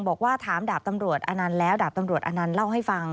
บอกว่าถามดาบตำรวจอนันต์แล้วดาบตำรวจอนันต์เล่าให้ฟัง